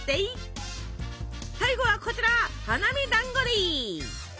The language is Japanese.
最後はこちら花見だんごでぃ！